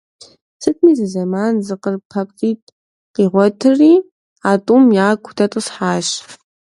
Сытми зызэман зэ къыр папцӀитӀ къигъуэтри, а тӀум яку дэтӀысхьащ.